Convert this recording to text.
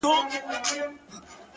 • هسې سترگي پـټـي دي ويــــده نــه ده ـ